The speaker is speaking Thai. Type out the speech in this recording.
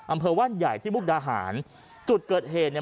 อำเภอว่านใหญ่ที่มุกดาหารจุดเกิดเหตุเนี่ย